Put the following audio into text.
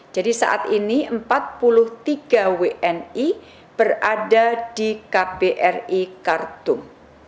jadi saat ini empat puluh tiga wni berada di kbri kartum